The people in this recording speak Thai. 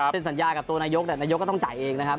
สัญญากับตัวนายกแต่นายกก็ต้องจ่ายเองนะครับ